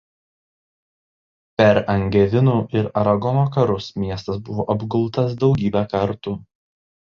Per Angevinų ir Aragono karus miestas buvo apgultas daugybę kartų.